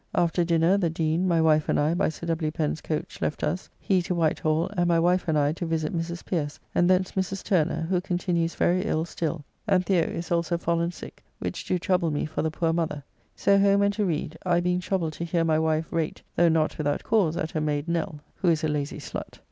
After dinner the Dean, my wife and I by Sir W. Pen's coach left us, he to Whitehall, and my wife and I to visit Mrs. Pierce and thence Mrs. Turner, who continues very ill still, and The. is also fallen sick, which do trouble me for the poor mother. So home and to read, I being troubled to hear my wife rate though not without cause at her mayd Nell, who is a lazy slut.